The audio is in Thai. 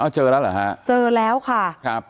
เจอแล้วเหรอฮะเจอแล้วค่ะครับ